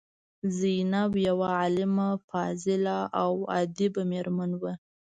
زینب یوه عالمه، فاضله او ادیبه میرمن وه.